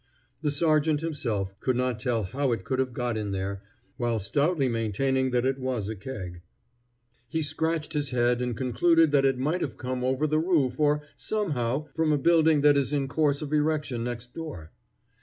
The sergeant himself could not tell how it could have got in there, while stoutly maintaining that it was a keg. He scratched his head and concluded that it might have come over the roof or, somehow, from a building that is in course of erection next door.